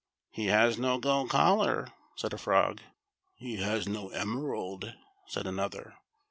" He has no gold collar," said a frog. " He has no emerald," said another.